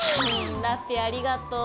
ラッピィありがとう。